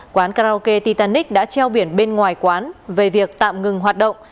quán karaoke titanic đã treo biển bên ngoài quán về việc tạm ngừng hoạt động